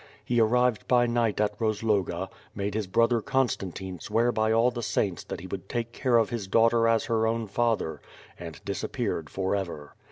He arrived by night at Eozloga, made his brother Constantine swear by all the saints that he would take care of his daughter as her own father — and disappeared forever.